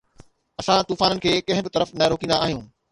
اسان طوفانن کي ڪنهن به طرف نه روڪيندا آهيون